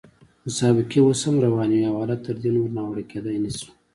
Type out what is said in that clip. مسابقې اوس هم روانې وې او حالت تر دې نور ناوړه کېدای نه شو.